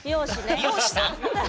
美容師さん？